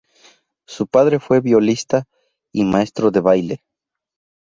Su padre fue violista y maestro de baile.